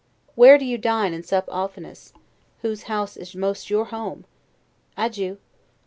Where do you dine and sup oftenest? whose house is most your home? Adieu.